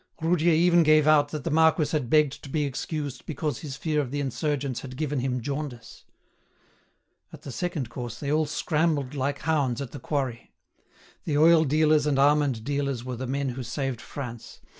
Roudier even gave out that the marquis had begged to be excused because his fear of the insurgents had given him jaundice. At the second course they all scrambled like hounds at the quarry. The oil dealers and almond dealers were the men who saved France.